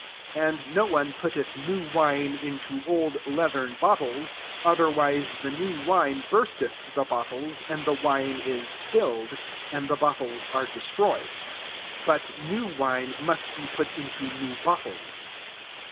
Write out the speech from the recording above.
^And no one putteth new wine into old leathern bottles : otherwise, the [nevi] wine bursteth the bottles, and the wine is spilled, and the bottles are destroyed : but new wine must be put into new bottles."